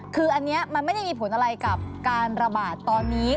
คืออันนี้มันไม่ได้มีผลอะไรกับการระบาดตอนนี้